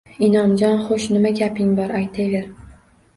Inomjon Xo`sh, nima gaping bor, aytaver